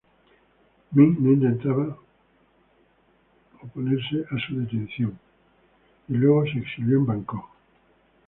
Minh no atentaba oponer su detención, y luego se exilió en Bangkok.